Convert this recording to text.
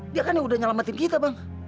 dia kan yang udah nyelamatin kita bang